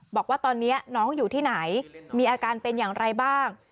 บอกว่าตอนนี้น้องอยู่ที่ไหนมีอาการเป็นอย่างไรบ้าง